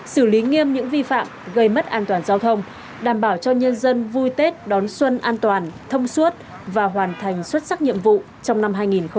xử lý nghiêm những vi phạm gây mất an toàn giao thông đảm bảo cho nhân dân vui tết đón xuân an toàn thông suốt và hoàn thành xuất sắc nhiệm vụ trong năm hai nghìn hai mươi